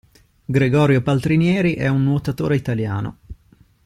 Gregorio Paltrinieri è un nuotatore italiano.